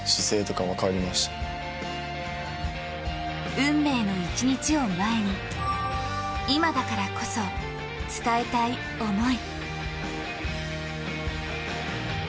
運命の一日を前に、今だからこそ伝えたい思い。